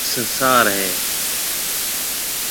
اَي هيَڪ سنسار هيَ۔